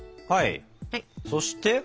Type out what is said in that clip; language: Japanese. はいそして？